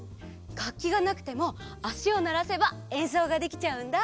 がっきがなくてもあしをならせばえんそうができちゃうんだ。